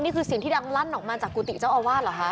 นี่คือเสียงที่ดังลั่นออกมาจากกุฏิเจ้าอาวาสเหรอคะ